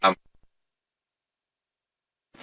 อยากกินไหน